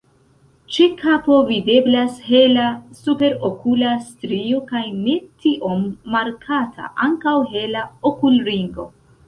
Ĉe kapo videblas hela superokula strio kaj ne tiom markata ankaŭ hela okulringo.